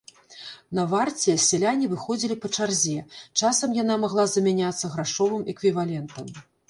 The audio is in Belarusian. На варце сяляне выходзілі па чарзе, часам яна магла замяняцца грашовым эквівалентам.